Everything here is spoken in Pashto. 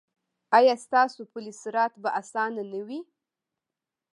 ایا ستاسو پل صراط به اسانه نه وي؟